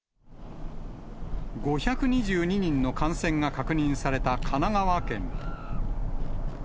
５２２人の感染が確認された神奈川県。